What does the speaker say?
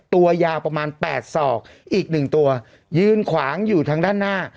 ตัวยาวประมาณ๘ศอกอีก๑ตัวยืนขวางอยู่ทางด้านหน้า